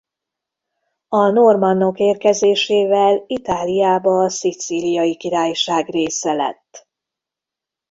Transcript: A normannok érkezésével Itáliába a Szicíliai Királyság része lett.